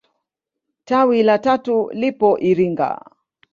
Tawi la tatu lipo Iringa.